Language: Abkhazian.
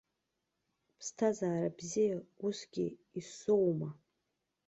Ԥсҭазаара бзиа усгьы исоуам.